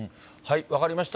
分かりました。